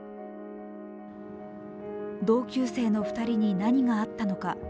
同級生の２人に何があったのか。